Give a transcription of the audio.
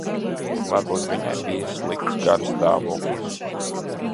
Varbūt viņai bija slikts garastāvoklis.